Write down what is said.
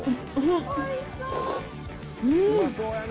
うん。